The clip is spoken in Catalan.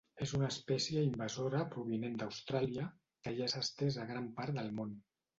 És una espècie invasora provinent d'Austràlia, que ja s'ha estès a gran part del món.